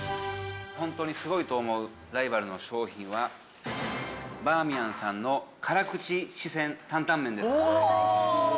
本当にすごいと思うライバルの商品は、バーミヤンさんの辛口四川担々麺です。